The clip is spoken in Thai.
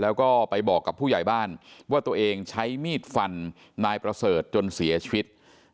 แล้วก็ไปบอกกับผู้ใหญ่บ้านว่าตัวเองใช้มีดฟันนายประเสริฐจนเสียชีวิต